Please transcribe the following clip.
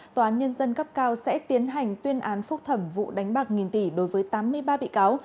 tòa án nhân dân cấp cao sẽ tiến hành tuyên án phúc thẩm vụ đánh bạc nghìn tỷ đối với tám mươi ba bị cáo